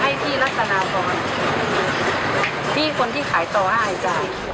ให้ที่ลักษณะก่อนที่คนที่ขายต่อให้จ้ะ